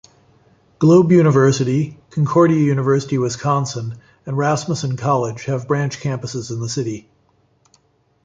Globe University, Concordia University Wisconsin, and Rasmussen College have branch campuses in the city.